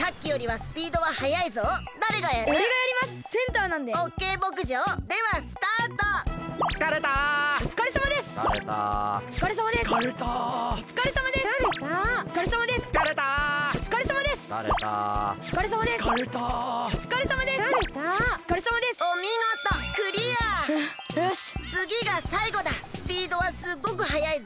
スピードはすっごくはやいぞ。